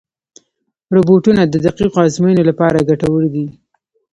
روبوټونه د دقیقو ازموینو لپاره ګټور دي.